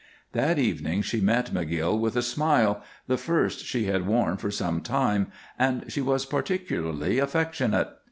That evening she met McGill with a smile, the first she had worn for some time, and she was particularly affectionate.